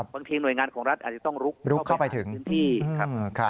บางทีหน่วยงานของรัฐอาจจะต้องลุกเข้าไปถึงที่